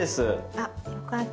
あっよかった。